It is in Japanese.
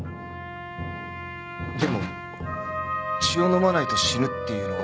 でも血を飲まないと死ぬっていうのは。